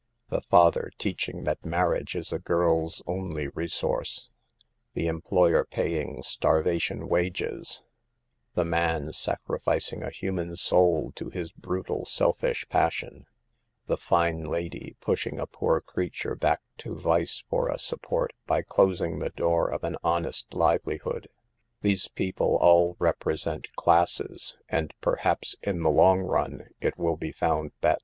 " The father teaching that marriage is a girl's only resource, the employer paying starvation wages, the man sacrificing a human soul to bis brutal, selfish passion, the fine lady pushing a poor creature back to vice for a sup port by closing the door of an honest liveli hood, — these people all represent classes, and perhaps, in the long run, it will be found that L 7* 162 SAVE THE GIRLS.